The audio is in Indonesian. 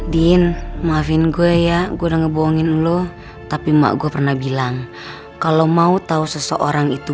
din maafin gue ya gue udah ngebohongin lu tapi mak gue pernah bilang kalau mau tahu seseorang itu